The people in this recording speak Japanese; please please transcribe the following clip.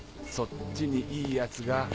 そっちにいいやつが。